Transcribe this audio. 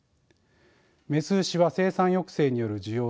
雌牛は生産抑制による需要低下